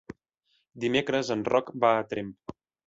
Dimecres en Roc va a Tremp.